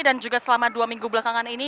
dan juga selama dua minggu belakangan ini